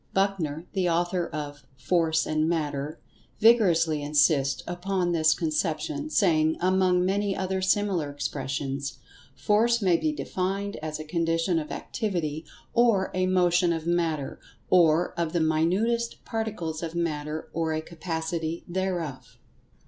Buchner, the author of "Force and Matter," vigorously insists upon this conception, saying, among many other similar expressions: "Force may be defined as a condition of activity or a motion of matter, or of the minutest particles of matter or a capacity thereof."